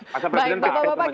masa presiden tidak ada